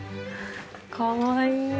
かわいい。